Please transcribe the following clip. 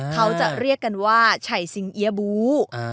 เขาจะเรียกกันว่าไฉซิงเอี๊ยบู